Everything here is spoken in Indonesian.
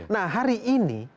nah hari ini